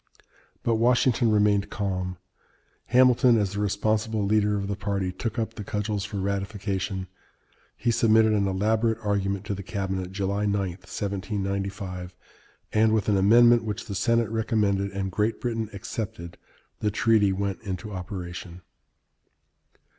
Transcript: But Washington remained calm. Hamilton, as the responsible leader of the party, took up the cudgels for ratification. He submitted an elaborate argument to the cabinet (July 9, 1795), and with an amendment which the Senate recommended and Great Britain accepted, the treaty went into operation.